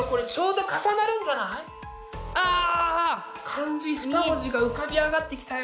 漢字２文字が浮かび上がってきたよ。